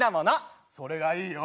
それがいいよ。